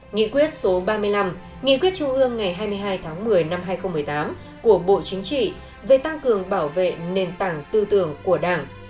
nghị quyết số ba mươi năm nghị quyết trung ương ngày hai mươi hai tháng một mươi năm hai nghìn một mươi tám của bộ chính trị về tăng cường bảo vệ nền tảng tư tưởng của đảng